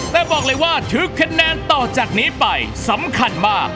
แต่บอกเลยว่าถือคะแนนต่อจากนี้ไปสำคัญมาก